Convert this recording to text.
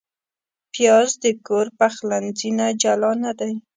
پیاز د کور پخلنځي نه جلا نه دی